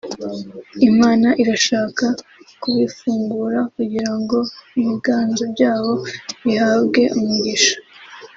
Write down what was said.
Imana irashaka kubifungura kugira ngo ibiganza byabo bihabwe umugisha